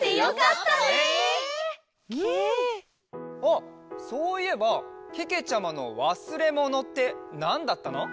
あっそういえばけけちゃまのわすれものってなんだったの？